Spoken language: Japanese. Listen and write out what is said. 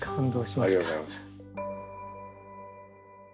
ありがとうございます。